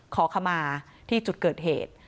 ขอขมาที่จุดเกิดเหตุ